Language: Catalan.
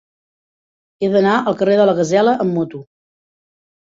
He d'anar al carrer de la Gasela amb moto.